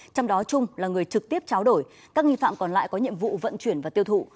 trong đó trung là người trực tiếp cháo đổi các nghi phạm còn lại có nhiệm vụ vận chuyển và tiêu thụ